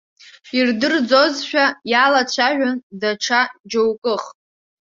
Ирдырӡозшәа иалацәажәон даҽа џьоукых.